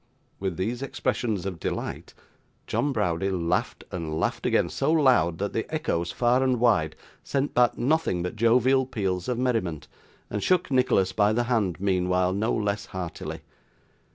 With these expressions of delight, John Browdie laughed and laughed again so loud that the echoes, far and wide, sent back nothing but jovial peals of merriment and shook Nicholas by the hand meanwhile, no less heartily.